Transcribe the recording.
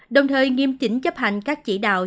đồng thời nghiêm chỉnh chấp hành các chỉ đạo